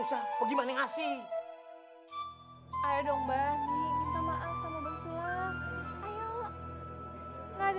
nggak ada ruginya juga kan minta maaf